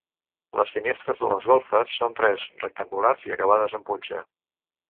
Les finestres de les golfes són tres, rectangulars i acabades en punxa.